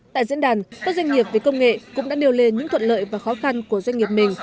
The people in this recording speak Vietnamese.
tại diễn đàn các doanh nghiệp về công nghệ cũng đã nêu lên những thuận lợi và khó khăn của doanh nghiệp mình